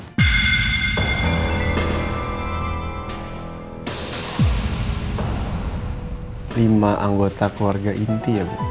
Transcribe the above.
jika tiga dari lima memberikan input yang positif hak adopsi rena akan dikembalikan kepada bapak dan ibu